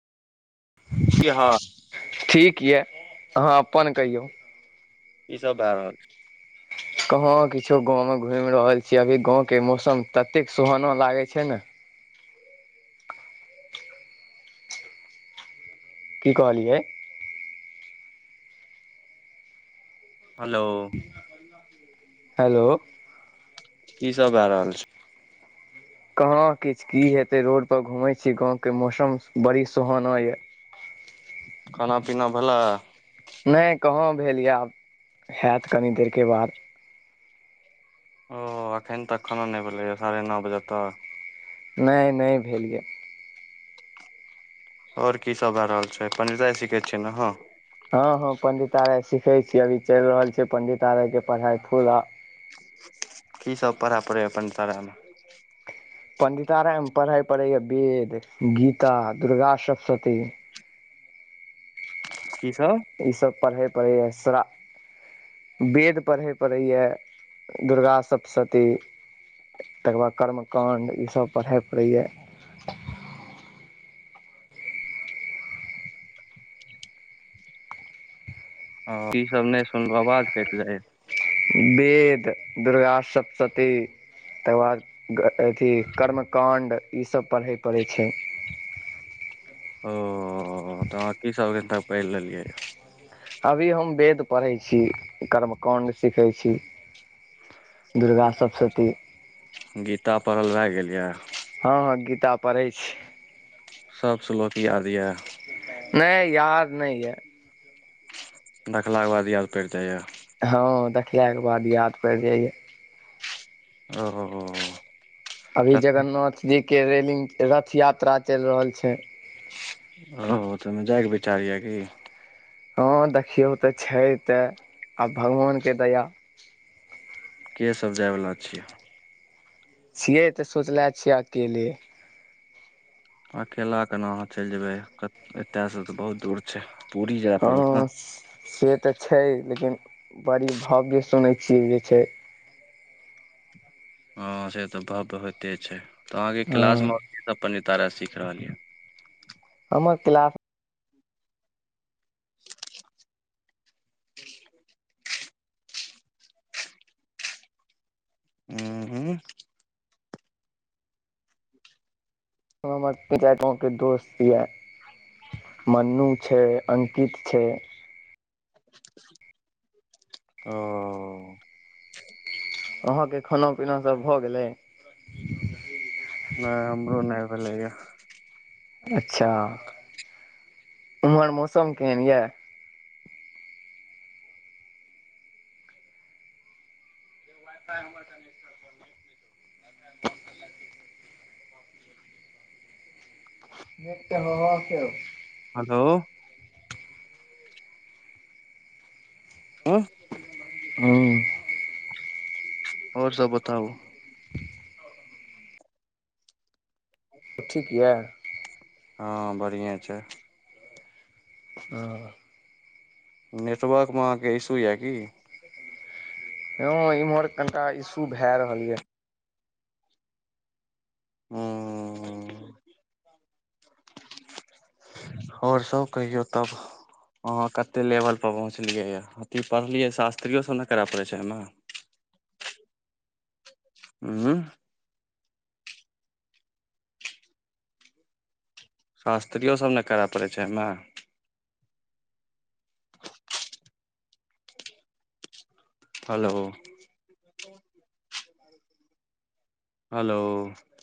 की ह। ठीक या अहाँ अपन कहियो। की सब भए रहल छै। कहां किछो गाँंव में घुमि रहल छीय अभी गाँंव के मौसम ततेक सुहाना लागे छै ने। की कहलियै? हेलोउ। हेलोउ। की सब भए रहल छै? कहाँ किछ की हेते रोड पर घूमे छी गांव के मौसम बड़ी सुहाना या खाना पीना भेलै? नहि कहाँ भेल या आब हैत कनि देरके बाद। ओ अखन तक खाना नहि भेलैए साढ़े न बजे तक। नहि नहि भेल या। और की सब भए रहल छै पंडिताय सीखै छियै ने अहाँ। हँ हँ पंडितारे सिखे छी अभी चलि रहल छै पंडितारे के पढ़ाई पूरा। की सब पढ़य पड़ैया या पंडितारे मे? पण्डितारे मे पढ़ै पड़ैया वेद, गीता, दुर्गा सप्तशती की सब? ई सब पढ़ै परैया श्रा वेद पढ़ै पड़ैया दुर्गा सप्तशती। तकर बाद कर्मकाण्ड ईसभ पढा पड़ैया ओ, की सब नहि सुनलौ आवाज कटि जाय या वेद, दुर्गा सप्तश ती तकर बाद अथी कर्मकाण्ड ई सब पढ़ै पड़ै छै। ओ तऽ अहाँ की सब एत पढ़ि लेलियै। अभी हम वेद पढ़ै छी कर्मकाण्ड सिखे छी। दुर्गा सप्तशती। गीता पढ़ल भए गेल या। हँ हँ गीता पढ़ै छी। सब श्लोक याद येए? नै याद नै येेए। देखलाके बाद याद पैड़ जाइया। हँ देखला के बाद याद पैड़ जाइया। हँ, हँ, हँ, हँ। अभी जगन्नाथ जीके रेलिंग रथ यात्रा चैल रहल छै। ओ हो तऽ मे जायके विचार या कि? हँ देखियौ तऽ छै तऽ आब भगवान के दया। के सब जायवला छी? छियै तऽ सोचले छियै अकेले। अकेला केना आहाँ चैल जेबै एतयसँ तऽ बहुत दूर छै। पूरी जाय पड़त ने हँ से तऽ छै लेकिन बड़ी भव्य सुनै छियै जे छै। हँ से तऽ भव्य होइते छै तऽ आहाँके हँ क्लास मे की सब पड तारा सीख रहल यऽ? हमर क्लास हूँ, हूँ। हमर विजय गाँवके दोस्त येए। मन्नू छै अंकित छै। ओ- आहाँ के खाना पीना सब भऽ गेलै? नै हमरो नै भेलै येए। अच्छा उम्हर मौसम केहन ये? तऽ हमर मित होबा के हेलो उँ हूँ। और सब बतौउ। ठीक येए? हँ बढ़ियां छै। हँ। नेटवर्क मे आहाँके इश्यू या की? नै इम्हर कनिटा इशू भेए रहल येए। हूँ आ छै और सब कहियौ तब? आहाँ कते लेवलपर पहुँचलियै यऽ अथी पढ़लियै शास्त्रियो सब ने करऽ पड़ै छै एयमे हूँ। शास्त्रियो सब ने करय पड़ै छै एयमे? हलो हलो